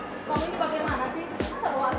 kamu ini bagaimana sih